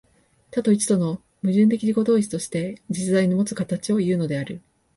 多と一との矛盾的自己同一として、実在のもつ形をいうのである。